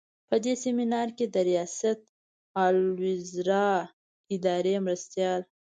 په دې سمینار کې د ریاستالوزراء اداري مرستیال.